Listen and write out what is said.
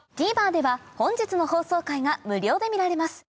ＴＶｅｒでは本日の放送回が無料で見られます